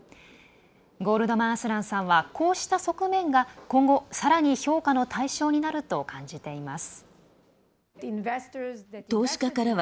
ゴールドマンアスランさんはこうした側面が今後さらに評価の対象になると感じています。